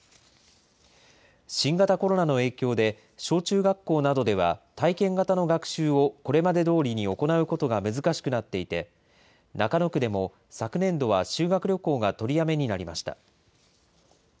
新型コロナの影響で、小中学校などでは体験型の学習を、これまでどおりに行うことが難しくなっていて、中野区でも、昨年度は修学旅行がとりやめになりました。